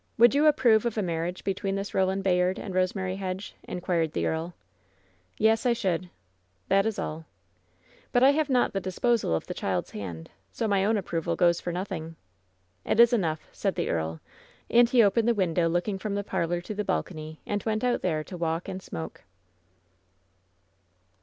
Would you approve of a marria^ between this Eoland Bayard and Eosemary Hedge?* inquired the earl. "Yes, I should/' "That is all." "But I have not the disposal of the child's hand, so my own approval goes for nothing." "It is enough," said the earl, and he opened the win dow looking from the parlor to the balcony and went out there to walk and smoke.